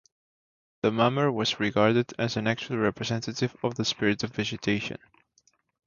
The mummer was regarded as an actual representative of the spirit of vegetation.